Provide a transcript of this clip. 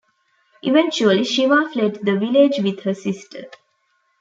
Eventually, Shiva fled the village with her sister.